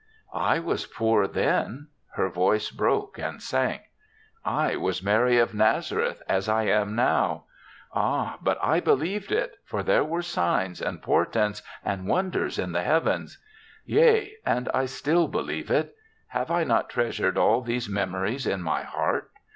'* "I was poor then.*' Her voice broke and sank. "I was Mary of Nazareth as I am now. Ah, but I believed it, for there were signs, and portents, and wonders in the heav ens! Yea, and I still believe it. Have I not treasured all these memo ries in my heart?